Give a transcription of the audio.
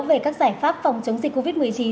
về các giải pháp phòng chống dịch covid một mươi chín